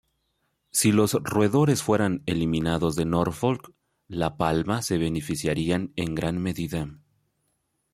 Si los roedores fueran eliminados de Norfolk, la palma se beneficiarían en gran medida.